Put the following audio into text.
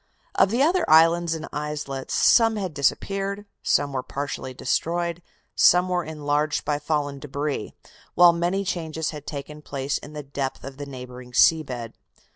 Of the other islands and islets some had disappeared; some were partially destroyed; some were enlarged by fallen debris, while many changes had taken place in the depth of the neighboring sea bed.